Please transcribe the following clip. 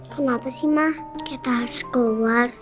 kenapa sih mah kita harus keluar